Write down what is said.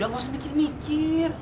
gak usah mikir mikir